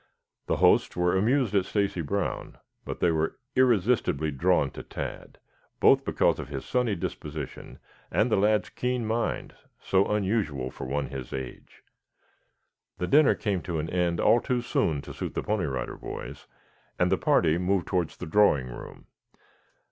The hosts were amused at Stacy Brown, but they were irresistibly drawn to Tad, both because of his sunny disposition and the lad's keen mind, so unusual for one of his age. The dinner came to an end all too soon to suit the Pony Rider Boys, and the party moved towards the drawing room.